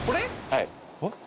はい。